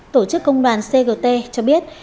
tổ chức công đoàn cgt cho biết